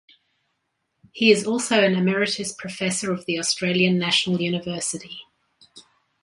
He is also an Emeritus Professor of the Australian National University.